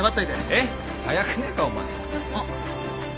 えっ早くねえかお前。